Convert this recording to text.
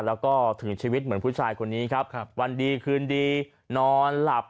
แล้วก็ถึงชีวิตเหมือนผู้ชายคนนี้ครับวันดีคืนดีนอนหลับ